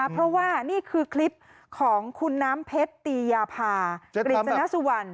เพราะว่านี่คือคลิปของคุณน้ำเพชรตียาภากฤษณสุวรรณ